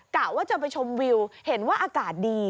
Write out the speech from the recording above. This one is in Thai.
กะว่าจะไปชมวิวเห็นว่าอากาศดี